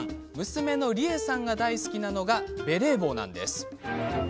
娘の莉英さんが大好きなのがベレー帽なんです。